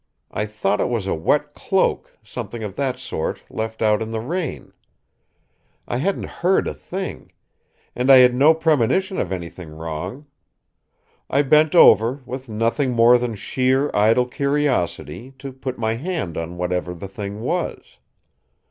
I thought it was a wet cloak, something of that sort, left out in the rain. I hadn't heard a thing. And I had no premonition of anything wrong. I bent over, with nothing more than sheer idle curiosity, to put my hand on whatever the thing was.